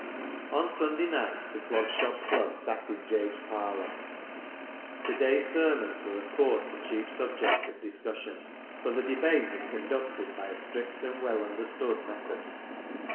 On Sunday nights the Clog Shop Club sat in Jabe's parlour. The day's sermons were, of course, the chief subjects of discussion, but the debate was conducted by a strict and well understood method.